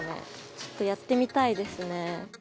ちょっとやってみたいですね。